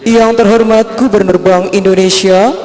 yang terhormat gubernur bank indonesia